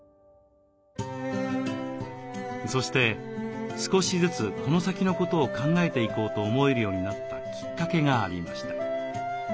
そして少しずつこの先のことを考えていこうと思えるようになったきっかけがありました。